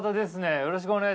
よろしくお願いします。